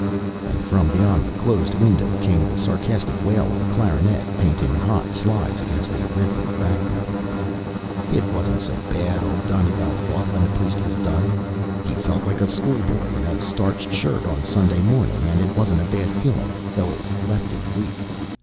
and from beyond the closed window came the sarcastic wail of a clarinet painting hot slides against a rhythmic background. It wasn't so bad, Old Donegal thought when the priest was done. He felt like a schoolboy in a starched shirt on Sunday morning, and it wasn't a bad feeling, though it left him weak.